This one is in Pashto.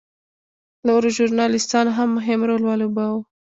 نورو ژورنالېستانو هم مهم رول ولوباوه.